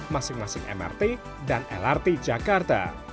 masing masing mrt dan lrt jakarta